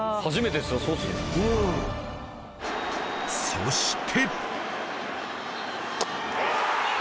そして！